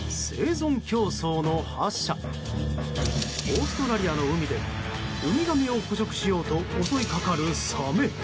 オーストラリアの海でウミガメを捕食しようと襲いかかるサメ。